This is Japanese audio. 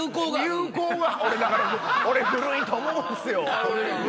俺古いと思うんすよ。